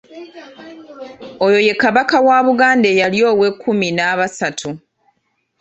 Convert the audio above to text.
Oyo ye Kabaka wa Buganda eyali ow'ekkumi n’abasatu.